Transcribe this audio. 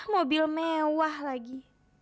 mobil mewah lagi